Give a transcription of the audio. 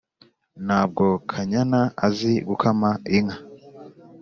ntabwo kanyana azi gukama inka